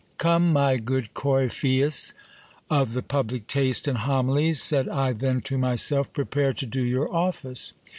Come, my good Coryphaeus of the public taste in homilies, said I then to myself, prepare to do your office.